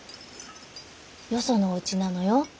よそのおうちなのよ。